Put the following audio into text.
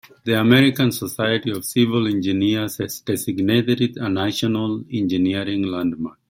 The American Society of Civil Engineers has designated it a National Engineering Landmark.